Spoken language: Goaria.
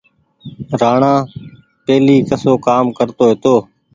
رآڻآ پهيلي ڪسو ڪآم ڪرتو هيتو۔